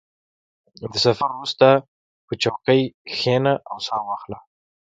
• د سفر وروسته، په چوکۍ کښېنه او سا واخله.